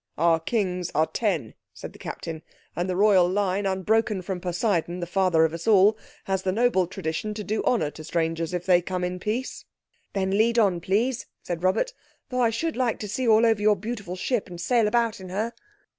"Our Kings are ten," said the Captain, "and the Royal line, unbroken from Poseidon, the father of us all, has the noble tradition to do honour to strangers if they come in peace." "Then lead on, please," said Robert, "though I should like to see all over your beautiful ship, and sail about in her."